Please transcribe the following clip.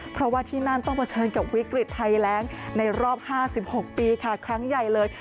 เพราะว่าที่นั่นต้องเผชิญกับวิกฤตภัยแรงในรอบ๕๖ปีค่ะครั้งใหญ่เลย